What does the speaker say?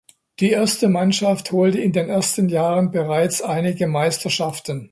Die erste Mannschaft holte in den ersten Jahren bereits einige Meisterschaften.